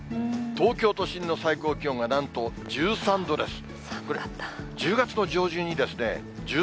東京都心の最高気温がなんと１３度です。